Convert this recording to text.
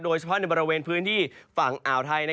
โดยเฉพาะในบริเวณพื้นที่ฝั่งอ่าวไทย